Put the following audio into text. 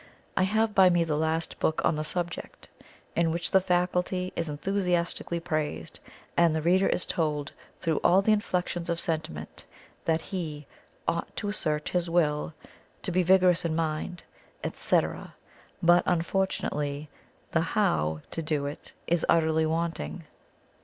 I have by me the last book on the subject, in which the faculty is enthusiastically praised, and the reader is told through all the inflexions of sentiment, that he ought to assert his Will, to be vigorous in mind, etcetera, but unfortunately the How to do it is utterly wanting.